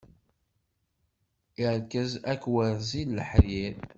Iṛkez akwerzi n leḥrir.